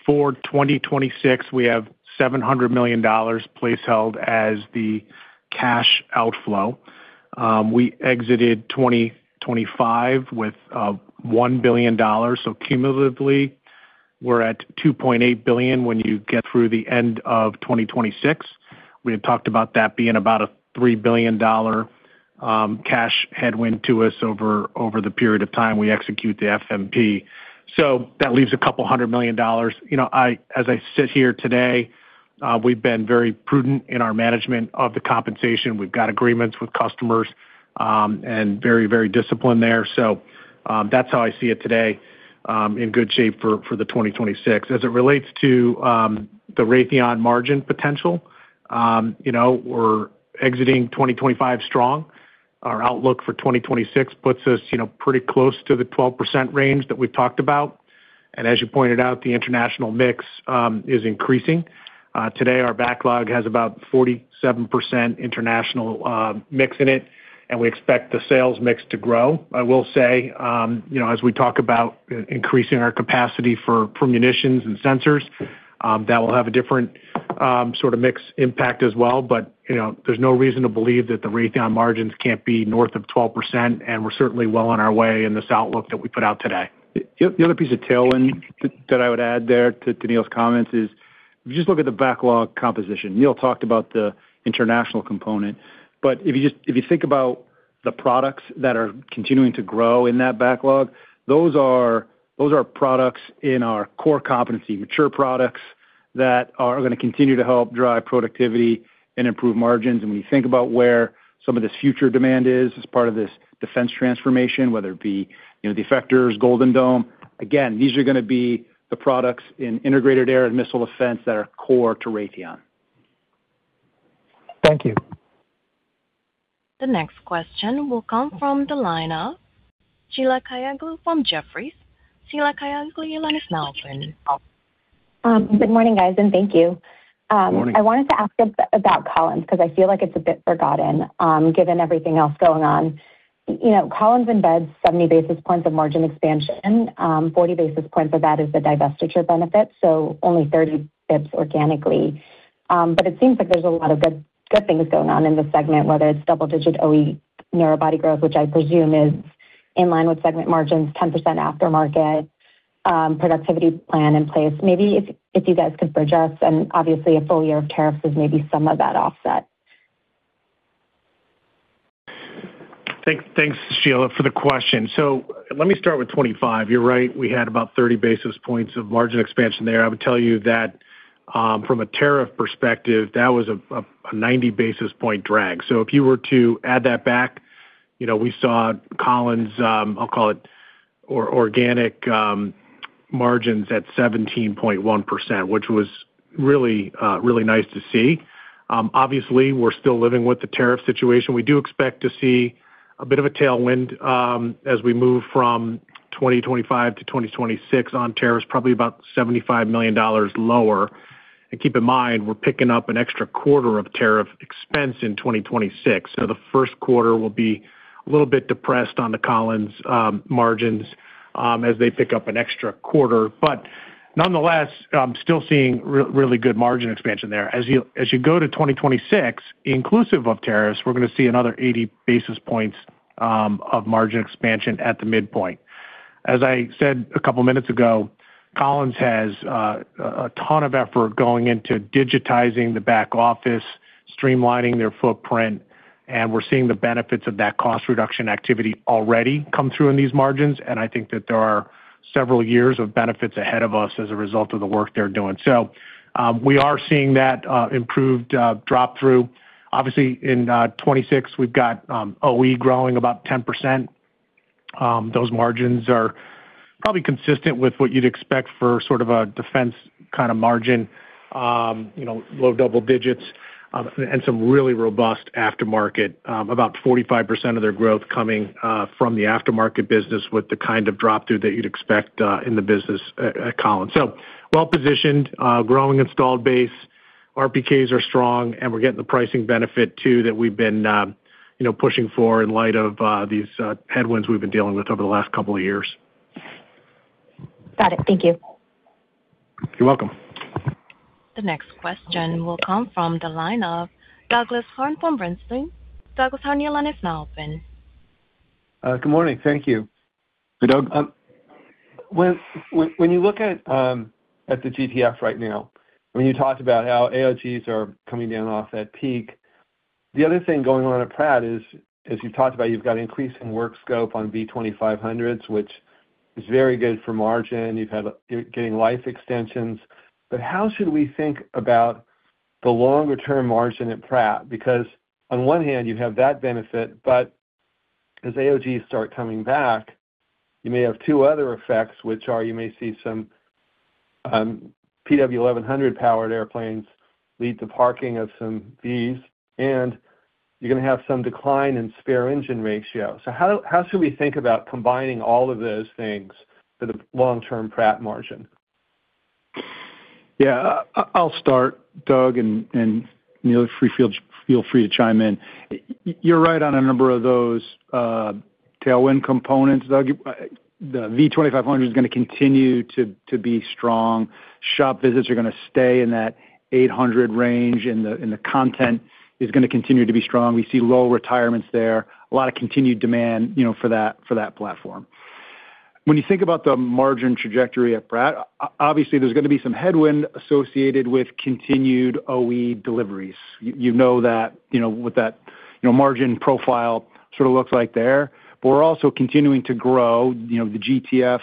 for 2026, we have $700 million placed held as the cash outflow. We exited 2025 with $1 billion. So cumulatively, we're at $2.8 billion when you get through the end of 2026. We had talked about that being about a $3 billion cash headwind to us over the period of time we execute the FMP. So that leaves a couple hundred million dollars. As I sit here today, we've been very prudent in our management of the compensation. We've got agreements with customers and very, very disciplined there. So that's how I see it today in good shape for 2026. As it relates to the Raytheon margin potential, we're exiting 2025 strong. Our outlook for 2026 puts us pretty close to the 12% range that we've talked about. And as you pointed out, the international mix is increasing. Today, our backlog has about 47% international mix in it, and we expect the sales mix to grow. I will say, as we talk about increasing our capacity for munitions and sensors, that will have a different sort of mix impact as well. But there's no reason to believe that the Raytheon margins can't be north of 12%, and we're certainly well on our way in this outlook that we put out today. The other piece of tailwind that I would add there to Neil's comments is if you just look at the backlog composition. Neil talked about the international component. But if you think about the products that are continuing to grow in that backlog, those are products in our core competency, mature products that are going to continue to help drive productivity and improve margins. And when you think about where some of this future demand is as part of this defense transformation, whether it be the effectors, Golden Dome, again, these are going to be the products in integrated air and missile defense that are core to Raytheon. Thank you. The next question will come from the line of Sheila Kahyaoglu from Jefferies. Sheila Kahyaoglu, your line is now open. Good morning, guys, and thank you. I wanted to ask about Collins because I feel like it's a bit forgotten given everything else going on. Collins embeds 70 basis points of margin expansion, 40 basis points of that is the divestiture benefit, so only 30 basis points organically. But it seems like there's a lot of good things going on in the segment, whether it's double-digit OE narrowbody growth, which I presume is in line with segment margins, 10% aftermarket, productivity plan in place. Maybe if you guys could bridge us, and obviously, a full year of tariffs is maybe some of that offset. Thanks, Sheila, for the question. So let me start with 2025. You're right. We had about 30 basis points of margin expansion there. I would tell you that from a tariff perspective, that was a 90 basis point drag. So if you were to add that back, we saw Collins, I'll call it, organic margins at 17.1%, which was really, really nice to see. Obviously, we're still living with the tariff situation. We do expect to see a bit of a tailwind as we move from 2025 to 2026 on tariffs, probably about $75 million lower. Keep in mind, we're picking up an extra quarter of tariff expense in 2026. The first quarter will be a little bit depressed on the Collins margins as they pick up an extra quarter. Nonetheless, I'm still seeing really good margin expansion there. As you go to 2026, inclusive of tariffs, we're going to see another 80 basis points of margin expansion at the midpoint. As I said a couple of minutes ago, Collins has a ton of effort going into digitizing the back office, streamlining their footprint, and we're seeing the benefits of that cost reduction activity already come through in these margins. I think that there are several years of benefits ahead of us as a result of the work they're doing. We are seeing that improved drop-through. Obviously, in 2026, we've got OE growing about 10%. Those margins are probably consistent with what you'd expect for sort of a defense kind of margin, low double digits, and some really robust aftermarket, about 45% of their growth coming from the aftermarket business with the kind of drop-through that you'd expect in the business at Collins. So well-positioned, growing installed base, RPKs are strong, and we're getting the pricing benefit too that we've been pushing for in light of these headwinds we've been dealing with over the last couple of years. Got it. Thank you. You're welcome. The next question will come from the line of Doug Harned from Bernstein. Doug Harned, your line is now open. Good morning. Thank you. Hey, Doug. When you look at the GTF right now, when you talked about how AOGs are coming down off that peak, the other thing going on at Pratt is, as you've talked about, you've got increasing work scope on V2500s, which is very good for margin. You're getting life extensions. But how should we think about the longer-term margin at Pratt? Because on one hand, you have that benefit, but as AOGs start coming back, you may have two other effects, which are you may see some PW-1100 powered airplanes lead to parking of some Vs, and you're going to have some decline in spare engine ratio. So how should we think about combining all of those things for the long-term Pratt margin? Yeah, I'll start, Doug, and Neil, feel free to chime in. You're right on a number of those tailwind components. The V2500 is going to continue to be strong. Shop visits are going to stay in that 800 range, and the content is going to continue to be strong. We see low retirements there, a lot of continued demand for that platform. When you think about the margin trajectory at Pratt, obviously, there's going to be some headwind associated with continued OE deliveries. You know that with that margin profile sort of looks like there. But we're also continuing to grow the GTF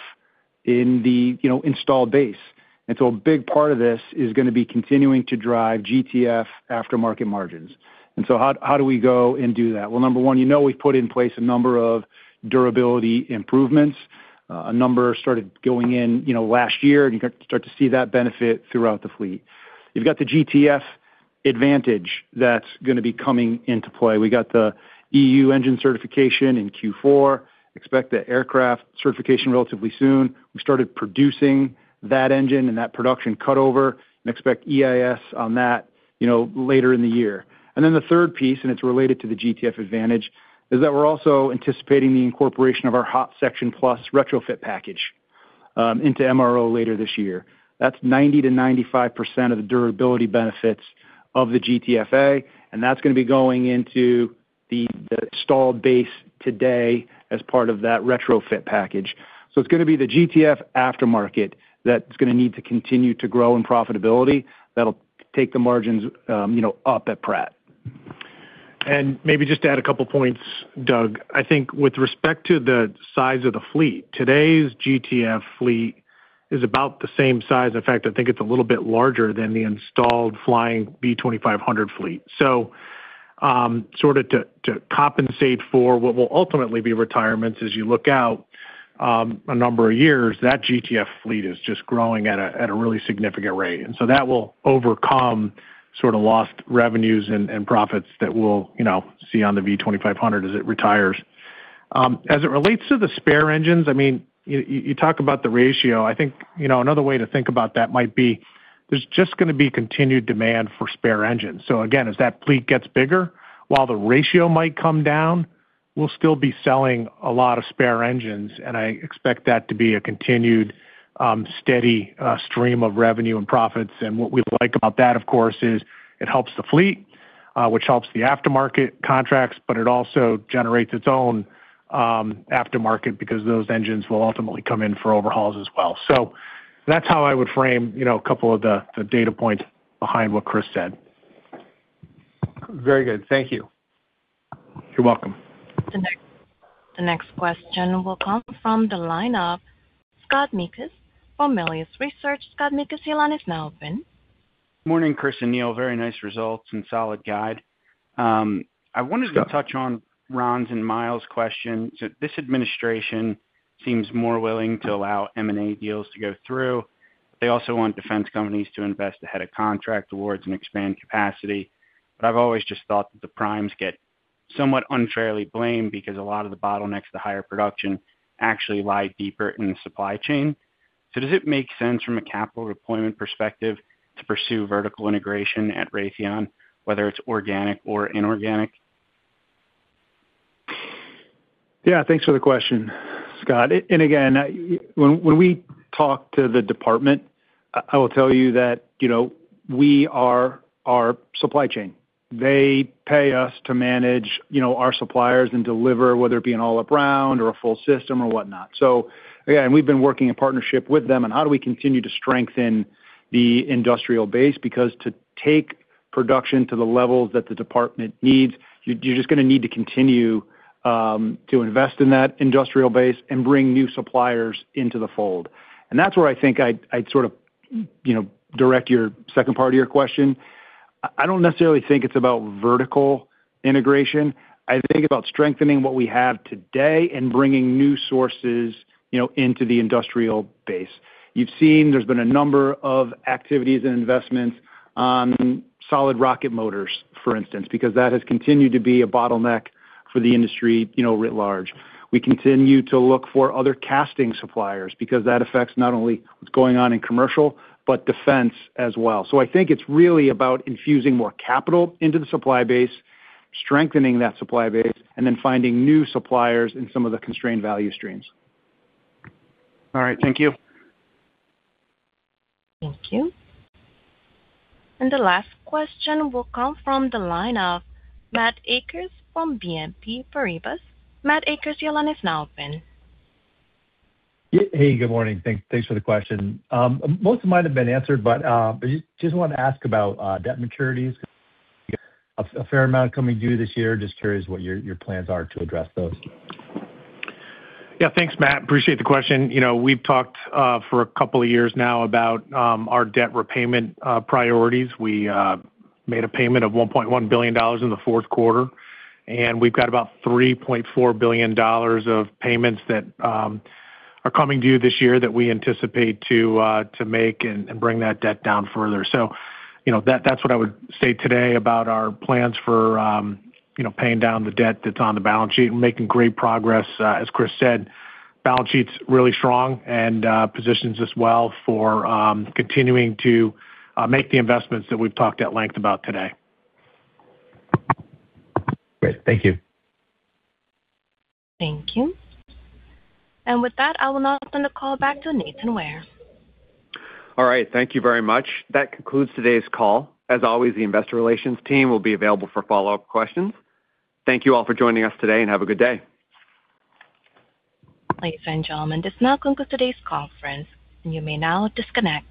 in the installed base. And so a big part of this is going to be continuing to drive GTF aftermarket margins. And so how do we go and do that? Well, number one, you know we've put in place a number of durability improvements. A number started going in last year, and you start to see that benefit throughout the fleet. You've got the GTF Advantage that's going to be coming into play. We got the EU engine certification in Q4. Expect the aircraft certification relatively soon. We started producing that engine, and that production cut over. And expect EIS on that later in the year. And then the third piece, and it's related to the GTF advantage, is that we're also anticipating the incorporation of our Hot Section Plus retrofit package into MRO later this year. That's 90%-95% of the durability benefits of the GTFA, and that's going to be going into the installed base today as part of that retrofit package. So it's going to be the GTF aftermarket that's going to need to continue to grow in profitability. That'll take the margins up at Pratt. And maybe just add a couple of points, Doug. I think with respect to the size of the fleet, today's GTF fleet is about the same size. In fact, I think it's a little bit larger than the installed flying V2500 fleet. So sort of to compensate for what will ultimately be retirements as you look out a number of years, that GTF fleet is just growing at a really significant rate. And so that will overcome sort of lost revenues and profits that we'll see on the V2500 as it retires. As it relates to the spare engines, I mean, you talk about the ratio. I think another way to think about that might be there's just going to be continued demand for spare engines. So again, as that fleet gets bigger, while the ratio might come down, we'll still be selling a lot of spare engines, and I expect that to be a continued steady stream of revenue and profits. What we like about that, of course, is it helps the fleet, which helps the aftermarket contracts, but it also generates its own aftermarket because those engines will ultimately come in for overhauls as well. That's how I would frame a couple of the data points behind what Chris said. Very good. Thank you. You're welcome. The next question will come from the line of Scott Mikus from Melius Research. Scott Mikus, your line is now open. Good morning, Chris and Neil. Very nice results and solid guide. I wanted to touch on Ron's and Myles' question. This administration seems more willing to allow M&A deals to go through. They also want defense companies to invest ahead of contract awards and expand capacity. But I've always just thought that the primes get somewhat unfairly blamed because a lot of the bottlenecks to higher production actually lie deeper in the supply chain. So does it make sense from a capital deployment perspective to pursue vertical integration at Raytheon, whether it's organic or inorganic? Yeah, thanks for the question, Scott. And again, when we talk to the department, I will tell you that we are our supply chain. They pay us to manage our suppliers and deliver, whether it be an all-up round or a full system or whatnot. So again, we've been working in partnership with them on how do we continue to strengthen the industrial base because to take production to the levels that the department needs, you're just going to need to continue to invest in that industrial base and bring new suppliers into the fold. That's where I think I'd sort of direct your second part of your question. I don't necessarily think it's about vertical integration. I think about strengthening what we have today and bringing new sources into the industrial base. You've seen there's been a number of activities and investments on solid rocket motors, for instance, because that has continued to be a bottleneck for the industry writ large. We continue to look for other casting suppliers because that affects not only what's going on in commercial, but defense as well. So I think it's really about infusing more capital into the supply base, strengthening that supply base, and then finding new suppliers in some of the constrained value streams. All right. Thank you. Thank you. And the last question will come from the line of Matt Akers from BNP Paribas. Matt Akers, your line is now open. Hey, good morning. Thanks for the question. Most of mine have been answered, but I just wanted to ask about debt maturities. A fair amount coming due this year. Just curious what your plans are to address those. Yeah, thanks, Matt. Appreciate the question. We've talked for a couple of years now about our debt repayment priorities. We made a payment of $1.1 billion in the fourth quarter, and we've got about $3.4 billion of payments that are coming due this year that we anticipate to make and bring that debt down further. So that's what I would say today about our plans for paying down the debt that's on the balance sheet. We're making great progress. As Chris said, balance sheet's really strong and positions us well for continuing to make the investments that we've talked at length about today. Great. Thank you. Thank you. With that, I will now turn the call back to Nathan Ware. All right. Thank you very much. That concludes today's call. As always, the investor relations team will be available for follow-up questions. Thank you all for joining us today and have a good day. This concludes today's conference. You may now disconnect.